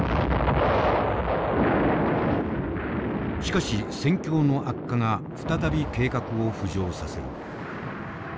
しかし戦況の悪化が再び計画を浮上させる。